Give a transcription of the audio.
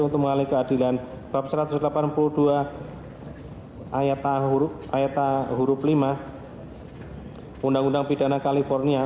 untuk menghalangi keadilan bab satu ratus delapan puluh dua ayat lima undang undang bidang dan kalikotnya